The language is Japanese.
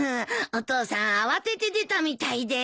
お父さん慌てて出たみたいで。